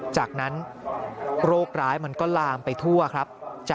จากนั้นโรคร้ายมันก็ลามไปทั่วครับ